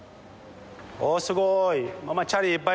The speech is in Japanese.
おおすごい！